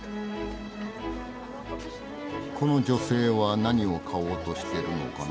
この女性は何を買おうとしてるのかな？